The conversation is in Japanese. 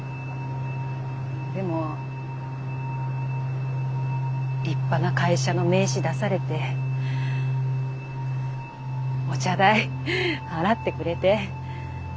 でも立派な会社の名刺出されてお茶代払ってくれて。